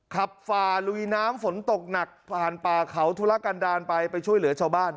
ฝ่าลุยน้ำฝนตกหนักผ่านป่าเขาธุระกันดาลไปไปช่วยเหลือชาวบ้าน